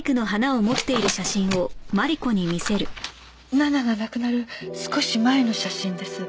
奈々が亡くなる少し前の写真です。